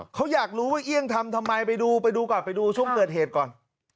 เขาอยากรู้ว่าเอี่ยงทำทำไมไปดูไปดูก่อนไปดูช่วงเกิดเหตุก่อน